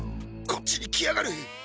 こっちに来やがる。